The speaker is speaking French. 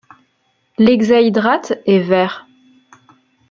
L'hexahydrate est vert.